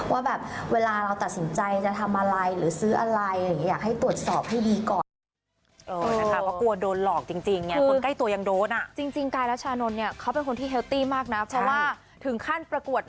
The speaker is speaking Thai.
ว่าแบบเวลาเราตัดสินใจจะทำอะไรหรือซื้ออะไรอย่างนี้อยากให้ตรวจสอบให้ดีก่อน